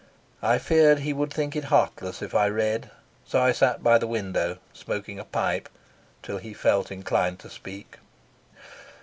I feared he would think it heartless if I read, so I sat by the window, smoking a pipe, till he felt inclined to speak.